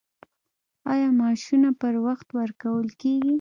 آیا معاشونه پر وخت ورکول کیږي؟